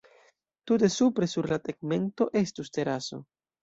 Tute supre, sur la “tegmento”, estus teraso.